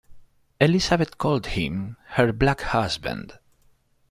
Elizabeth called him her 'black husband'.